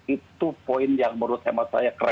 itu poin yang menurut hemat saya keras